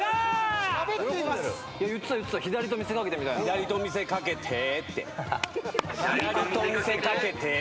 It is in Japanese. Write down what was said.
「左と見せ掛けて」って。